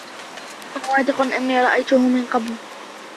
أنا واثق أني رأيتهُ من قبل.